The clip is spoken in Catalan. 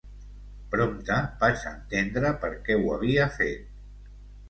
Prompte vaig entendre per què ho havia fet.